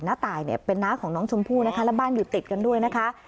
ตายเนี่ยเป็นน้าของน้องชมพู่นะคะและบ้านอยู่ติดกันด้วยนะคะ